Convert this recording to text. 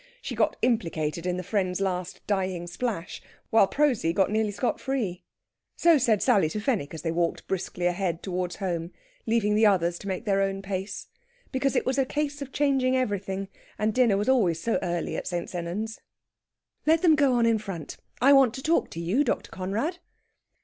She got implicated in the friend's last dying splash, while Prosy got nearly scot free. So said Sally to Fenwick as they walked briskly ahead towards home, leaving the others to make their own pace. Because it was a case of changing everything, and dinner was always so early at St. Sennans. "Let them go on in front. I want to talk to you, Dr. Conrad."